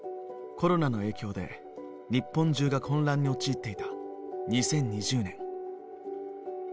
コロナの影響で日本中が混乱に陥っていた２０２０年。